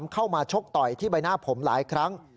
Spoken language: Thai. เข้ามาชกต่อยที่ใบหน้าผมหลายครั้ง